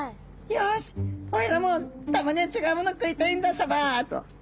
「よしおいらもたまには違うもの食いたいんだサバ」と。